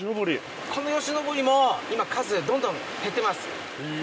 このヨシノボリも今数がどんどん減ってます。